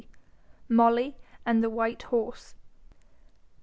MOLLY AND THE WHITE HORSE.